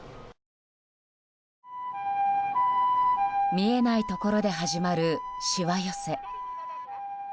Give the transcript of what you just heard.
見えないところで始まるしわ寄せ。